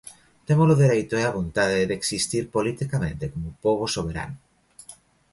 Temos o dereito e a vontade de existir politicamente como pobo soberano.